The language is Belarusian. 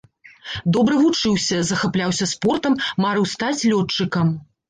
Добра вучыўся, захапляўся спортам, марыў стаць лётчыкам.